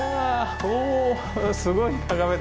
おすごい眺めだ。